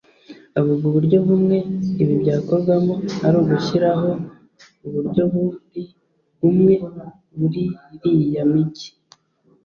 avuga bumwe mu buryo ibi byakorwamo ari ugushyiraho uburyo buri umwe muri iriya mijyi